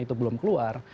itu belum keluar